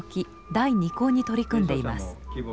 第２稿に取り組んでいます。